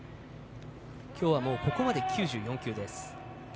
きょうもここまでで９４球です。